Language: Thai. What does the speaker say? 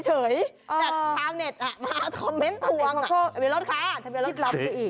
จากทางเน็ตมาคอมเม้นต์ทวงทะเบียนรถค่ะทะเบียนรถค่ะ